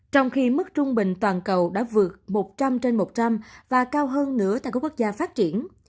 trong khi mức trung bình toàn cầu đã vượt một trăm linh trên một trăm linh và cao hơn nữa tại các quốc gia phát triển